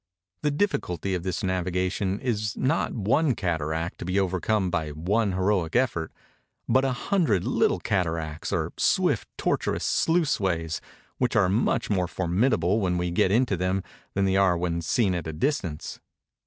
The difficulty of this navigation is not one cataract to be overcome by one heroic effort, but a hundred little cataracts or swift tortuous sluiceways, which are much more formidable when we get into them than they are when seen at a distance.